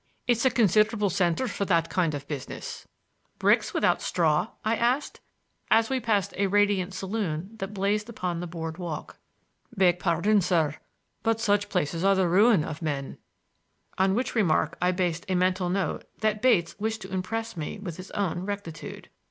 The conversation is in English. "It's a considerable center for that kind of business." "Bricks without straw?" I asked, as we passed a radiant saloon that blazed upon the board walk. "Beg pardon, sir, but such places are the ruin of men,"—on which remark I based a mental note that Bates wished to impress me with his own rectitude.